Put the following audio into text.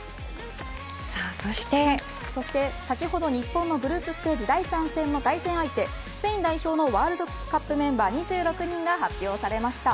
そして先ほど日本のグループステージ第３戦の対戦相手スペイン代表のワールドカップメンバー２６人が発表されました。